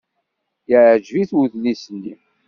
Yeɛjeb-it udlis-nni.